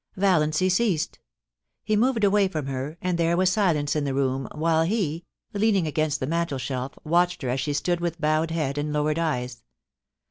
Valiancy ceased. He moved away from her, and there was silence in the room, while he, leaning against the mantelshelf, watched her as she stood with bowed head and lowered eyes.